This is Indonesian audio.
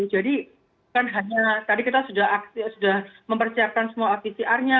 jadi bukan hanya tadi kita sudah mempersiapkan semua apcrnya